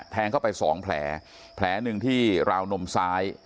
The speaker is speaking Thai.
เข้าไปสองแผลแผลหนึ่งที่ราวนมซ้าย